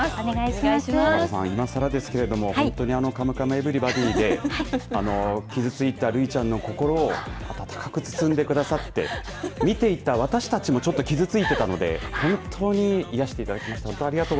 いまさらですけれどカムカムエヴリバディで傷ついたるいちゃんの心をあたたかく包んでくださって見ていた私たちも傷ついていたので本当に癒やしていただきました。